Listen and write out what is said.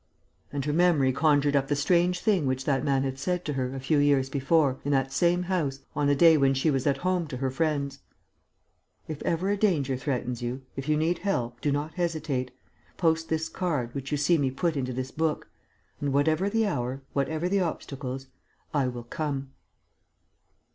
And her memory conjured up the strange thing which that man had said to her, a few years before, in that same house, on a day when she was at home to her friends: "If ever a danger threatens you, if you need help, do not hesitate; post this card, which you see me put into this book; and, whatever the hour, whatever the obstacles, I will come."